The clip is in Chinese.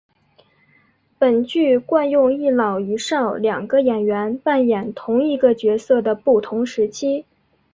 本剧惯用一老一少两个演员扮演同一个角色的不同时期。